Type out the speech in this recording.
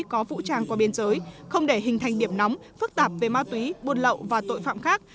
có vũ trang qua biên giới không để hình thành điểm nóng phức tạp về ma túy buôn lậu và tội phạm khác